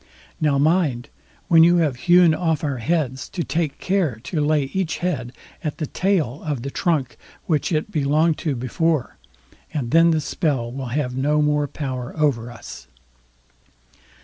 Now mind, when you have hewn off our heads, to take care to lay each head at the tail of the trunk which it belonged to before, and then the spell will have no more power over us."